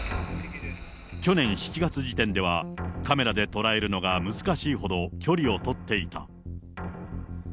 去年７月時点では、カメラで捉えるのが難しいほど距離を取っていた。